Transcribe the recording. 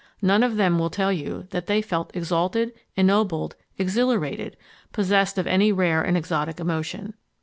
None of them will tell you that they felt exalted, ennobled, exhilarated, possessed of any rare and exotic emotion.